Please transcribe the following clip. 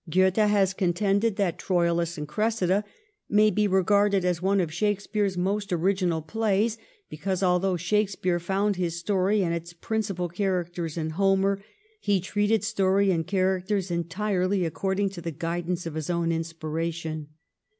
Goethe has contended that ' Troilus and Oressida ' may be regarded as one of Shakespeare's most original plays because, although Shakespeare found his story and its principal characters in Homer, he treated story and characters entirely according to the guidance of his own inspira tion.